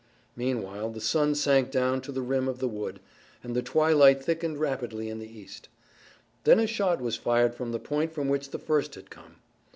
Meanwhile the sun sank down to the rim of the wood, and the twilight thickened rapidly in the east. Then a shot was fired from the point from which the first had come.